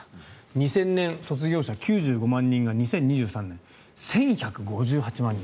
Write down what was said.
２０００年、卒業者９５万人が２０２３年、１１５８万人。